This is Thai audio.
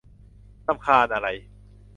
รำคาญอะไร